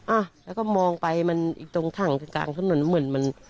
อ่ะแล้วก็มองไปมันอีกตรงถังกลางถนนเหมือนมัน